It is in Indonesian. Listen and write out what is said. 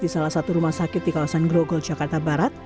di salah satu rumah sakit di kawasan grogol jakarta barat